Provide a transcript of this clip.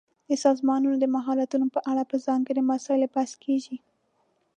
د سازمان د مهارتونو په اړه په ځانګړي مسایلو بحث کیږي.